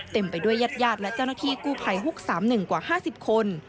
ไปด้วยญาติญาติและเจ้าหน้าที่กู้ภัยฮุก๓๑กว่า๕๐คน